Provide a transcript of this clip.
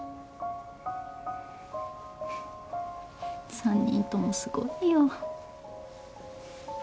３人ともすごいよ。